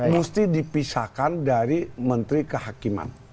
mesti dipisahkan dari menteri kehakiman